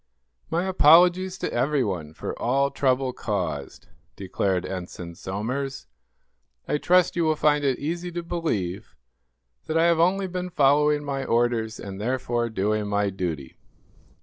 "My apologies to everyone for all trouble caused," declared Ensign Somers. "I trust you will find it easy to believe that I have only been following my orders; and, therefore, doing my duty."